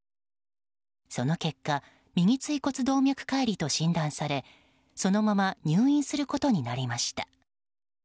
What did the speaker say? その結果、右椎骨動脈解離と診断されそのまま入院することになりました。